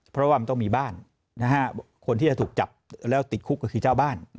เพราะว่ามันต้องมีบ้านคนที่จะถูกจับแล้วติดคุกก็คือเจ้าบ้าน